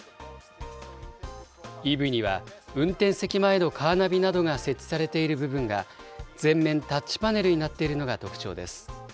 ＥＶには、運転席前のカーナビなどが設置されている部分が、全面タッチパネルになっているのが特徴です。